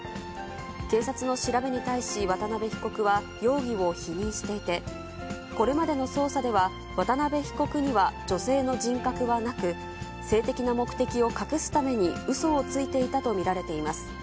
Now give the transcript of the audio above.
警察の調べに対し渡辺被告は容疑を否認していて、これまでの捜査では、渡辺被告には女性の人格はなく、性的な目的を隠すためにうそをついていたと見られています。